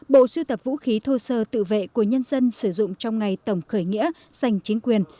bộ sưu tập vũ khí thô sơ tự vệ của nhân dân sử dụng trong ngày tổng khởi nghĩa dành chính quyền